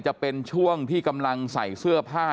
จะเป็นช่วงที่กำลังใส่เสื้อผ้า